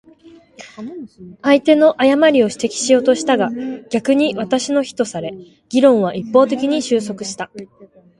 相手の誤りを指摘しようとしたが、逆に私の非とされ、議論は一方的に収束した。